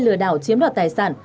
lừa đảo chiếm đoạt tài sản